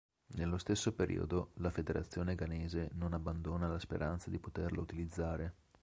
Nello stesso periodo la Federazione ghanese non abbandona la speranza di poterlo utilizzare.